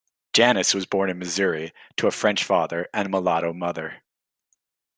Janis was born in Missouri to a French father and a mulatto mother.